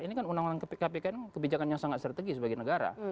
ini kan undang undang kpk ini kebijakan yang sangat strategis bagi negara